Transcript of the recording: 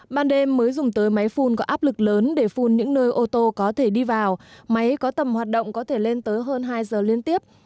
ban đêm mới dùng tới máy phun có áp lực lớn để phun những nơi ô tô có thể đi vào máy có tầm hoạt động có thể lên tới hơn hai giờ liên tiếp